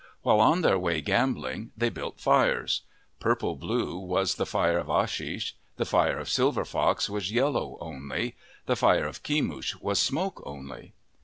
While on their way gam bling, they built fires. Purple blue was the fire of Ashish ; the fire of Silver Fox was yellow only ; the fire of Kemush was smoke only.